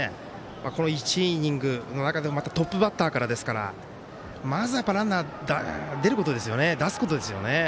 この１イニングの中でもトップバッターからですからまずはランナー出すことですよね。